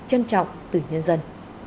trân trọng từ nhân dân